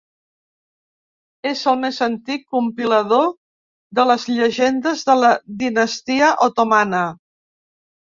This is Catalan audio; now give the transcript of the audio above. És el més antic compilador de les llegendes de la dinastia otomana.